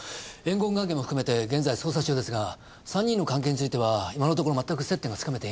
怨恨関係も含めて現在捜査中ですが３人の関係については今のところ全く接点がつかめていません。